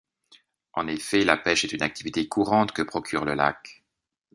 En effet, la pêche est une activité courante que procure le lac.